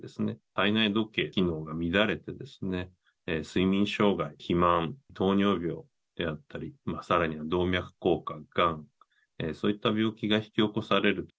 体内時計機能が乱れて、睡眠障害、肥満、糖尿病であったり、さらには動脈硬化、がん、そういった病気が引き起こされる。